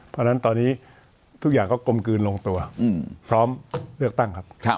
เพราะฉะนั้นตอนนี้ทุกอย่างก็กลมกลืนลงตัวพร้อมเลือกตั้งครับ